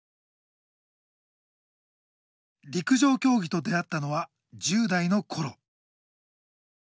陸上競技と出会ったのは１０代の頃。